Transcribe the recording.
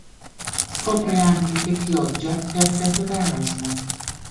Scopre anche che Pioggia è affetta da asma.